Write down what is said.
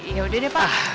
yaudah deh pak